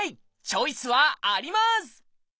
チョイスはあります！